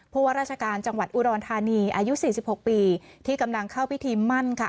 ว่าราชการจังหวัดอุดรธานีอายุ๔๖ปีที่กำลังเข้าพิธีมั่นค่ะ